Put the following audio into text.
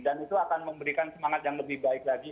dan itu akan memberikan semangat yang lebih baik lagi